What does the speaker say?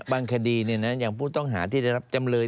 คดีอย่างผู้ต้องหาที่ได้รับจำเลย